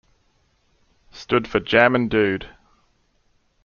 stood for "Jammin' Dude.